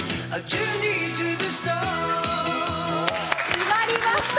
決まりました！